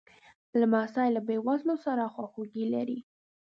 لمسی له بېوزلو سره خواخوږي لري.